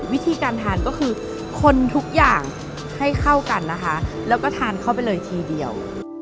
วิธีการทานก็คือคนทุกอย่างให้เข้ากันนะคะแล้วก็ทานเข้าไปเลยทีเดียว